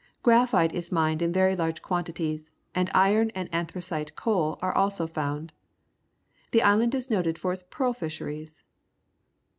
Graphite is mined in very large quantities, and iron and anthracite coal are also found. The island is noted for its pearl fisheries.